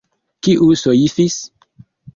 Kiu soifis?